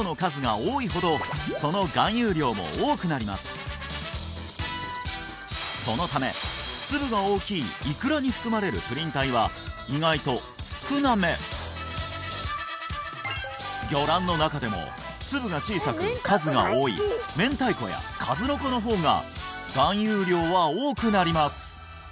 はいそうそのため粒が大きいイクラに含まれるプリン体は意外と少なめ魚卵の中でも粒が小さく数が多い明太子や数の子の方が含有量は多くなります